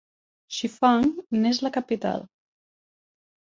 Shifang n'és la capital.